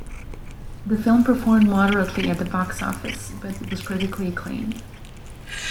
The film performed moderately at the box office, but was critically acclaimed.